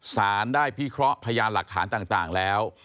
สารได้พิเคราะห์พยานหลักฐานต่างแล้ว